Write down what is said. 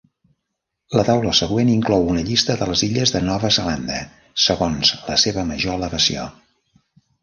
La taula següent inclou una llista de les illes de Nova Zelanda segons la seva major elevació.